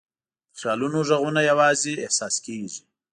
د خیالونو ږغونه یواځې احساس کېږي.